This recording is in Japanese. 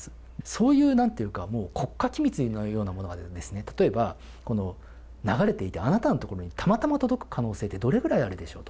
そういう、なんていうか、国家機密のようなものがあるんですね、例えば、流れていて、あなたのところにたまたま届く可能性ってどれだけあるでしょう。